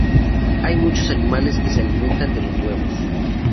Hay muchos animales que se alimentan de los huevos.